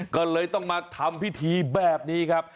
ก็เลยต้องมาทำพิธีแบบนี้ครับ